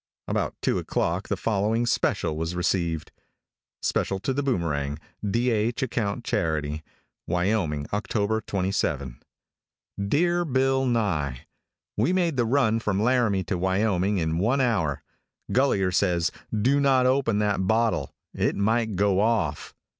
About two o'clock the following special was received: [Special to the Boomerang.] "[D. H. acct. charity.] "Wyoming, October 27. "Dear Bill Nye: "We made the run from Laramie to Wyoming in one hour. Gulliher says, do not open that bottle; it might go off.